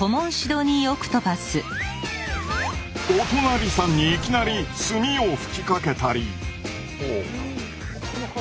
お隣さんにいきなり墨を吹きかけたり。